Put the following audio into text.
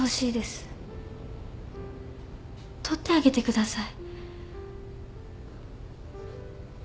そうしてあげてください。